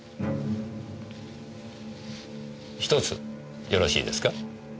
ひとつよろしいですか？